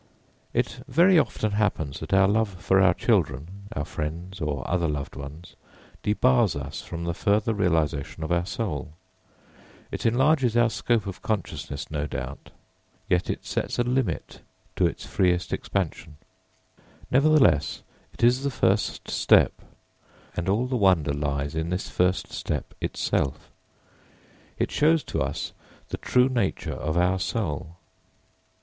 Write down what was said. It very often happens that our love for our children, our friends, or other loved ones, debars us from the further realisation of our soul. It enlarges our scope of consciousness, no doubt, yet it sets a limit to its freest expansion. Nevertheless, it is the first step, and all the wonder lies in this first step itself. It shows to us the true nature of our soul.